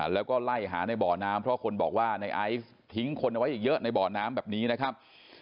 แล้วก็ไล่หาในบ่อน้ำเพราะคนบอกว่าในไอซ์ทิ้งคนเอาไว้อีกเยอะในบ่อน้ำแบบนี้นะครับ